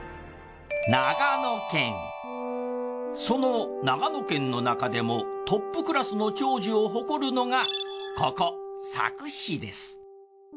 その長野県のなかでもトップクラスの長寿を誇るのがここ佐久市です。